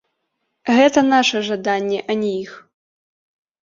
Гэта наша жаданне, а не іх.